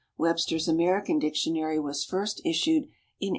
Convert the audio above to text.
Webster's American dictionary was first issued in 1828.